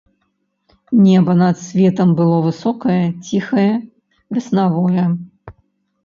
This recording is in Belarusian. Неба над светам было высокае, ціхае, веснавое.